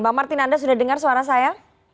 bang martin anda sudah dengar suara saya